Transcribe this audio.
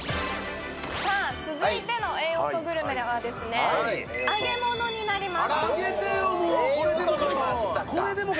続いてのええ音グルメは揚げ物になります。